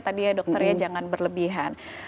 tadi ya dokter ya jangan berlebihan